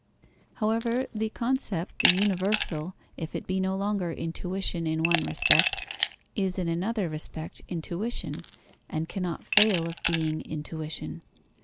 However, the concept, the universal, if it be no longer intuition in one respect, is in another respect intuition, and cannot fail of being intuition.